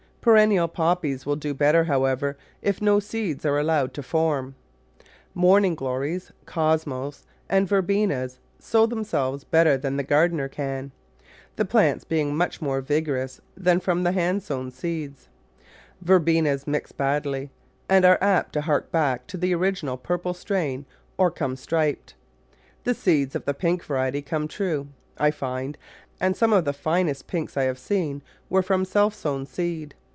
Perennial Poppies will do better, however, if no seeds are allowed to form. Morning glories, Cosmos and Verbenas sow themselves better than the gardener can, the plants being much more vigorous than from the hand Digitized by Google Five] igurcjastng of &eet«i 45 sown seeds. Verbenas mix badly, and are apt to hark back to the original purple strain, or come striped. The seeds of the pink variety come true, I find, and some of the finest pinks I have seen were from self sown seed.